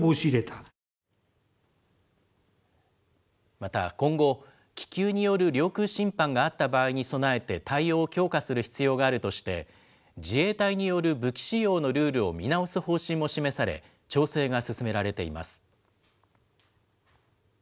また今後、気球による領空侵犯があった場合に備えて対応を強化する必要があるとして、自衛隊による武器使用のルールを見直す方針も示され、調整が進められています。